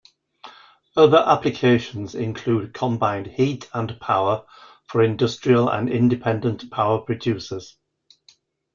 Other applications include combined heat and power for industrial and independent power producers.